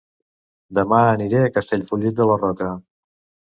Dema aniré a Castellfollit de la Roca